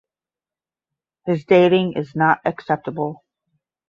His dating is not acceptable.